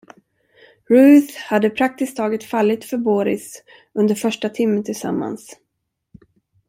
Ruth hade praktiskt taget fallit för Boris under första timmen tillsammans.